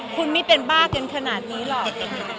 คุณไม่เป็นบ้ากันขนาดนี้หรอก